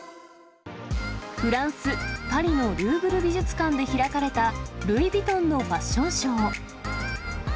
フランス・パリのルーブル美術館で開かれた、ルイ・ヴィトンのファッションショー。